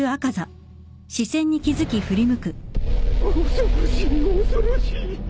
・恐ろしい恐ろしい。